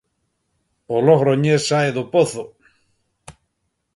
O Logroñés sae do pozo.